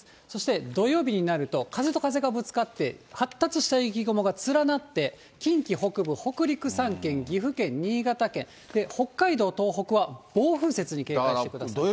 そして、土曜日になると風と風がぶつかって、発達した雪雲が連なって、近畿北部、北陸３県、岐阜県、新潟県、北海道、東北は、暴風雪に警戒してください。